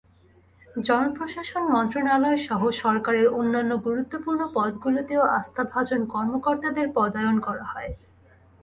জনপ্রশাসন মন্ত্রণালয়সহ সরকারের অন্যান্য গুরুত্বপূর্ণ পদগুলোতেও আস্থাভাজন কর্মকর্তাদের পদায়ন করা হয়।